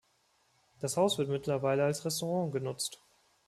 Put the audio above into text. Das Haus wird mittlerweile als Restaurant genutzt.